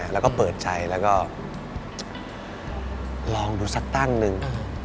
แล้วก็เปิดใจแล้วก็ลองดูสักตั้งหนึ่ง